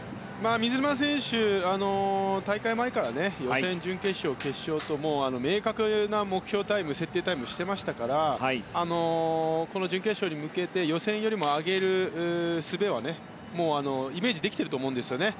水沼選手、大会前から予選、準決勝、決勝と明確な目標タイム、設定タイムをしてましたからこの準決勝に向けて予選よりも上げるすべはもうイメージできていると思うんですね。